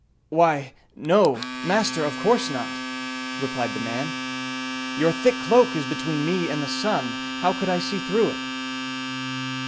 "Why, no! master, of course not!" replied the man. "Your thick cloak is between me and the sun; how could I see through it?"